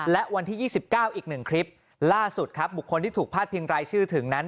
และวันที่๒๙อีก๑คลิปล่าสุดครับบุคคลที่ถูกพาดพิงรายชื่อถึงนั้น